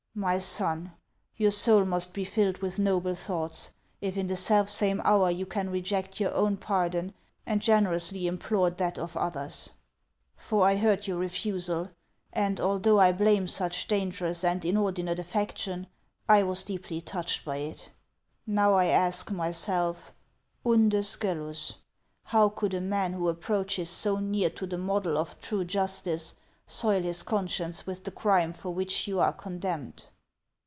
" My son, your soul must be filled with noble thoughts, if in the self same hour you can reject your own par HANS OF ICELAND. 467 don and generously implore that of others. For I heard your refusal ; and although I blame such danger ous and inordinate affection, I was deeply touched by it. Now I ask myself, — unde scelus ?— how could a man who approaches so near to the model of true jus tice soil his conscience with the crime for which you are condemned